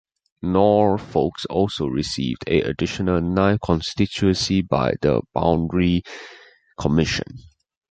Norfolk also received an additional, ninth constituency, by the Boundary Commission.